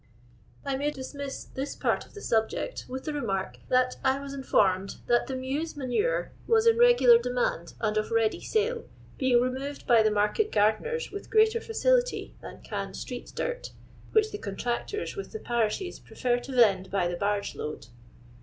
I may dismiss this part of the subject with the remark, that I was informed that the mews' ma nure was in regular demand and of ready sale, being remf)ved by the mjirket gardeners with greater facility than can street dirt, which the contractors with the parishes prefer to vend by the barge load.